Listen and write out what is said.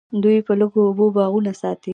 دوی په لږو اوبو باغونه ساتي.